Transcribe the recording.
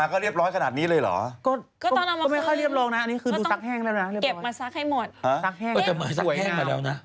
คุณนี้เขาเอาไปขายเลย